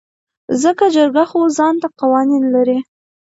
ځکه جرګه خو ځانته قوانين لري .